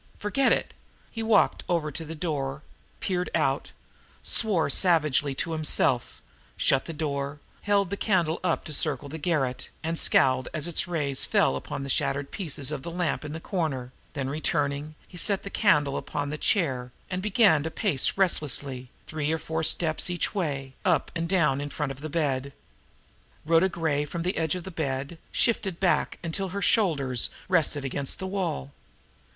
Forget it!" He walked over to the door, peered out, swore savagely to himself, shut the door, held the candle up to circle the garret, and scowled as its rays fell upon the shattered pieces of the lamp in the corner then, returning, he set the candle down upon the chair and began to pace restlessly, three or four steps each way, up and down in front of the bed. Rhoda Gray, from the edge of the bed, shifted back until her shoulders rested against the wall.